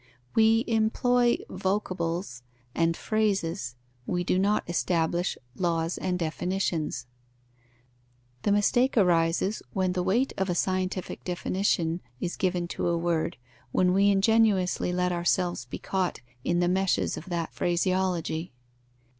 We employ vocables and phrases; we do not establish laws and definitions. The mistake arises when the weight of a scientific definition is given to a word, when we ingenuously let ourselves be caught in the meshes of that phraseology.